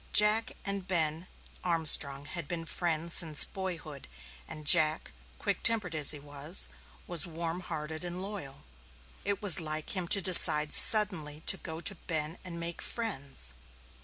Jack and Ben Armstrong had been friends since boyhood and Jack, quick tempered as he was, was warm hearted and loyal. It was like him to decide suddenly to go to Ben and make friends.